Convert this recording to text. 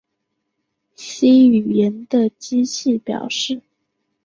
C 语言的机器表示